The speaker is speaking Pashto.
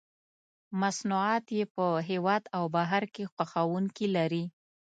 مصنوعات یې په هېواد او بهر کې خوښوونکي لري.